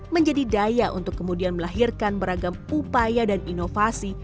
menjadi daya untuk kemudian melahirkan beragam upaya dan inovasi